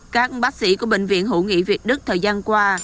các bác sĩ của bệnh viện hữu nghị việt đức thời gian qua